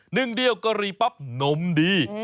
ึ่งเดียวกะหรี่ปั๊บนมดี